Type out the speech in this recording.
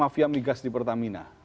mafia migas di pertamina